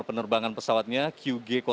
penerbangan yang berakhir di jawa timur